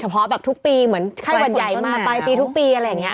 เฉพาะแบบทุกปีเหมือนไข้ฝนใหญ่มาไปปีทุกปีอะไรอย่างงี้